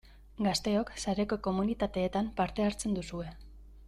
Gazteok sareko komunitateetan parte hartzen duzue.